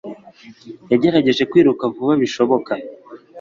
Yagerageje kwiruka vuba bishoboka.